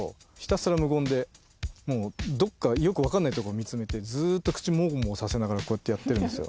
もうどっかよく分かんないとこ見つめてずっと口もごもごさせながらこうやってやってるんですよ。